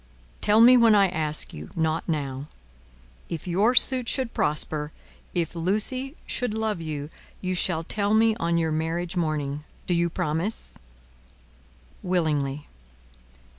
"Tell me when I ask you, not now. If your suit should prosper, if Lucie should love you, you shall tell me on your marriage morning. Do you promise?" "Willingly.